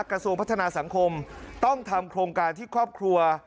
กระทรวงพัฒนาสังคมต้องทำโครงการที่ครอบครัว